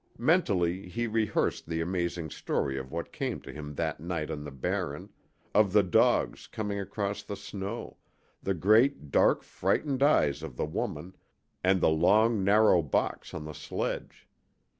Mentally he rehearsed the amazing story of what came to him that night on the Barren, of the dogs coming across the snow, the great, dark, frightened eyes of the woman, and the long, narrow box on the sledge.